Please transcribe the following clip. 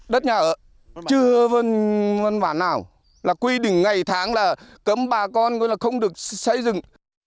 đất nhà ở chưa văn bản nào là quy định ngày tháng là cấm bà con không được xây dựng